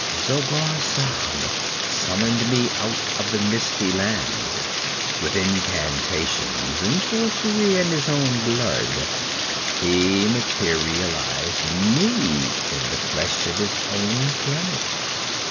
Zogar Sag summoned me out of the Misty Lands. With incantations and sorcery and his own blood he materialized me in the flesh of his own planet.